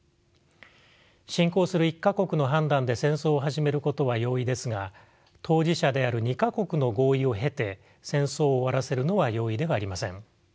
侵攻する１か国の判断で戦争を始めることは容易ですが当事者である２か国の合意を経て戦争を終わらせるのは容易ではありません。